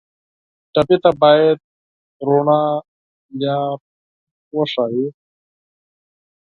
ټپي ته باید د رڼا لار وښیو.